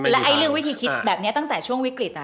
แล้วเรื่องวิธีคิดแบบนี้ตั้งแต่ช่วงวิกฤต